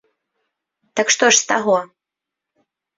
Так што з таго?